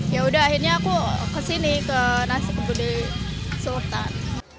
ya udah akhirnya aku kesini ke nasi kebuli sultan